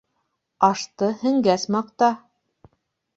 Ашты һеңгәс маҡта